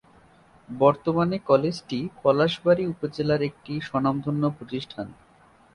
বর্তমানে কলেজটি পলাশবাড়ী উপজেলা এর একটি স্বনামধন্য প্রতিষ্ঠান।